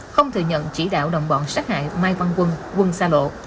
không thừa nhận chỉ đạo đồng bọn sát hại mai văn quân quân xa bộ